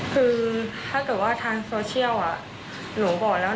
คือถ้าเกิดว่าทางโซเชียลหนูบอกแล้ว